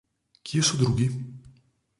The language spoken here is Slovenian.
Kje so drugi?